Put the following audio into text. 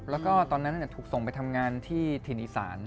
แล้วก็ตอนนั้นถูกส่งไปทำงานที่ถิ่นอีสาน